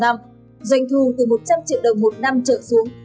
doanh thu từ một trăm linh triệu đồng một năm trở xuống